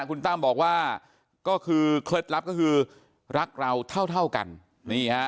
คุณตั้มบอกว่าก็คือเคล็ดลับก็คือรักเราเท่าเท่ากันนี่ฮะ